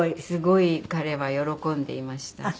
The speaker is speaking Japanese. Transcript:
すごい彼は喜んでいました。